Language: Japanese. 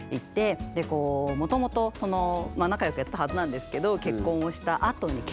でこうもともとその仲良くやってたはずなんですけど結婚をしたあとにええ！